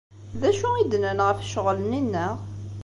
D acu i d-nnan ɣef ccɣel-nni-nneɣ?